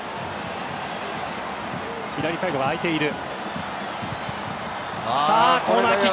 左サイドが空いている。